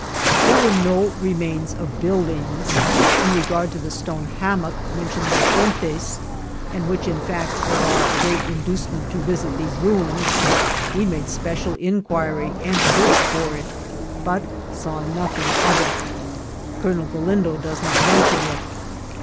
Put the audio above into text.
There were iio remains of buildings. In regard to the stone hammock mentioned by Fuentes, and which, in fact, was our great inducement to visit these ruins, we made special inquiry and search for it, but saw no thing of it. Colonel Galindo does not mention it.